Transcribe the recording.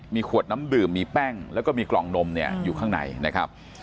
มีขวดน้ำดื่มมีแป้งแล้วก็มีกล่องนมเนี่ยอยู่ข้างในนะครับ